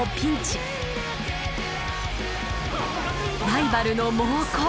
ライバルの猛攻。